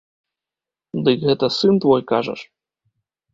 Дык гэта сын твой, кажаш?